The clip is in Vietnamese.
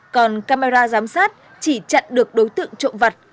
còn camera giám sát chỉ chặn được đối tượng trộm vặt